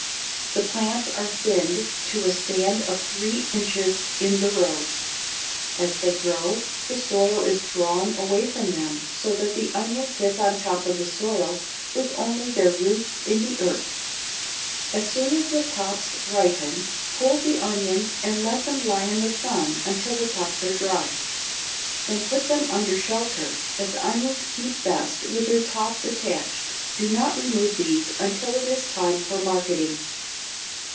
The plants are thinned to a stand of three inches in the rows. As they grow, the soil is drawn away from them so that the onions sit on top of the soil with only their roots in the earth. [Illustration: FIG. 94. HOTBED FOR STARTING TOMATO PLANTS] As soon as the tops ripen pull the onions and let them lie in the sun until the tops are dry. Then put them under shelter. As onions keep best with their tops attached, do not remove these until it is time for marketing.